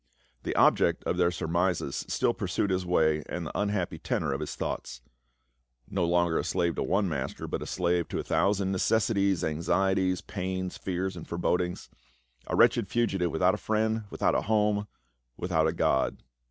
The object of their surmises still pursued his way and tfhe unhappy tenor of his thoughts. " No longer a slave to one ma.ster, but a slave to a thousand necessities, an.xieties, pains, fears and forebodings ; a wretched fugitive without a friend, without a home, without a God."